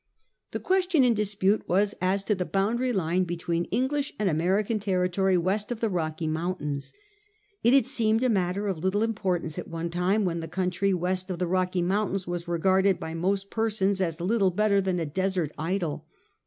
The question in dispute was as to the boundary line between English and American territory west of the Rocky Mountains. It had seemed a matter of little importance at one time when the country west of the Rocky Mountains was regarded by most persons as little better than a desert idle.